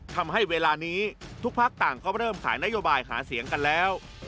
ทำให้เวลานี้ทุกพักต่างก็เริ่มขายนโยบายหาเสียงกันแล้ว